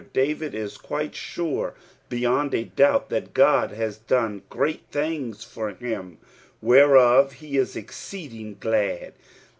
David IS quite shre, beyond a doubt, that God has done great things for him, whereof he ia exceeding glad.